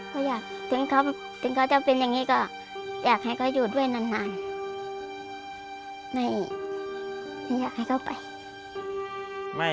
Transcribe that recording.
ก็อยากถึงเขาถึงเขาจะเป็นอย่างนี้ก็อยากให้เขาอยู่ด้วยนานไม่อยากให้เขาไป